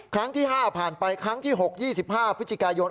ครั้งที่๕ผ่านไปครั้งที่๖๒๕พฤศจิกายน